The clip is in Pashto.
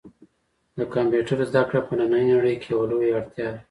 د کمپیوټر زده کړه په نننۍ نړۍ کې یوه لویه اړتیا ده.